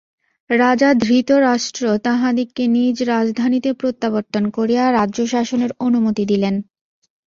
রাজা ধৃতরাষ্ট্র তাঁহাদিগকে নিজ রাজধানীতে প্রত্যাবর্তন করিয়া রাজ্যশাসনের অনুমতি দিলেন।